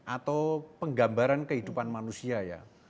atau penggambaran kehidupan manusia ya